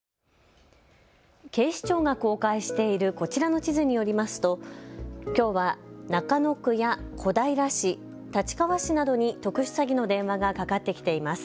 警視庁が公開しているこちらの地図によりますときょうは中野区や小平市、立川市などに特殊詐欺の電話がかかってきています。